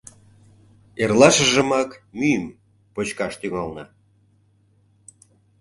Эрлашыжымак мӱйым почкаш тӱҥална.